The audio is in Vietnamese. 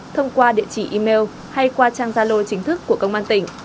thông qua địa chỉ email hay qua trang gia lô chính thức của công an tỉnh